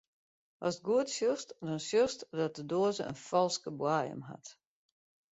Ast goed sjochst, dan sjochst dat de doaze in falske boaiem hat.